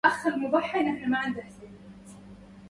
ما رعى الدهر آل برمك حقا